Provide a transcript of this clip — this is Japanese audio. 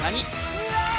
うわ